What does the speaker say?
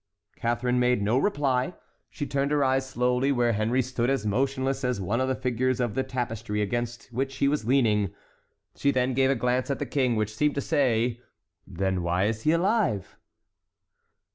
Catharine made no reply. She turned her eyes slowly where Henry stood as motionless as one of the figures of the tapestry against which he was leaning. She then gave a glance at the King, which seemed to say: "Then why he is alive?"